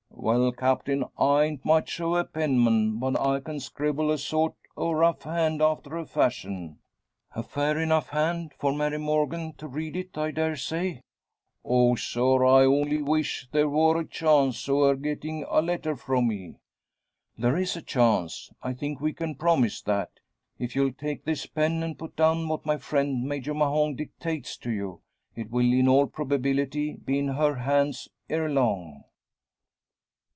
"Well, Captain; I ain't much o' a penman; but I can scribble a sort o' rough hand after a fashion." "A fair enough hand for Mary Morgan to read it, I dare say." "Oh, sir, I only weesh there wor a chance o' her gettin' a letter from me!" "There is a chance. I think we can promise that. If you'll take this pen and put down what my friend Major Mahon dictates to you, it will in all probability be in her hands ere long."